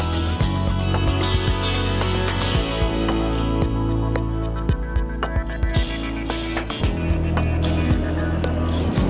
สวัสดีครับ